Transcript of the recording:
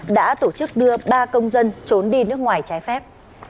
đã tổ chức đưa ba công dân trốn đi nước ngoài trái phép